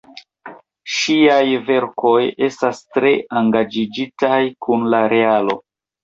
Ŝiaj verkoj estas tre engaĝiĝitaj kun la realo.